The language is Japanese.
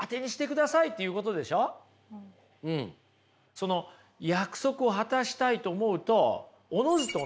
その約束を果たしたいと思うとおのずとね